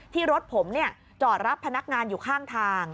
ที่รถผมจอดรับพนักงานอยู่ข้างทาง